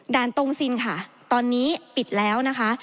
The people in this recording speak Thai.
ตรงซินค่ะตอนนี้ปิดแล้วนะคะ